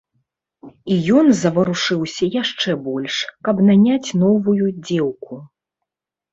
І ён заварушыўся яшчэ больш, каб наняць новую дзеўку.